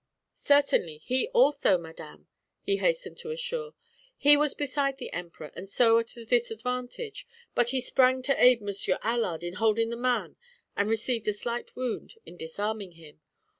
"Certainly; he also, madame," he hastened to assure. "He was beside the Emperor and so at a disadvantage, but he sprang to aid Monsieur Allard in holding the man and received a slight wound in disarming him.